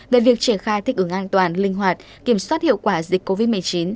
về việc triển khai thích ứng an toàn linh hoạt kiểm soát hiệu quả dịch covid một mươi chín